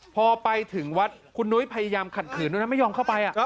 พอไปถึงวัดคุณนุ้ยพยายามขัดขืนด้วยนะไม่ยอมเข้าไป